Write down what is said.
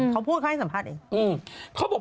เขาพูดเขาให้สัมภาษณ์เอง